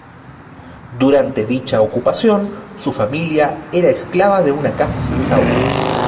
Durante dicha ocupación su familia era esclava de una casa centauri.